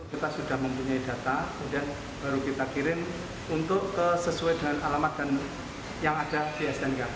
kita sudah mempunyai data kemudian baru kita kirim untuk sesuai dengan alamat dan yang ada di stnk